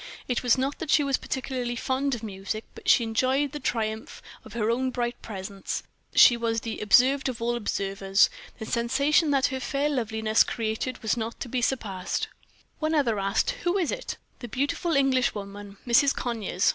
It was not that she was particularly fond of music, but she enjoyed the triumph of her own bright presence; she was the observed of all observers. The sensation that her fair loveliness created was not to be surpassed. One asked another, "Who is it?" "The beautiful Englishwoman, Mrs. Conyers."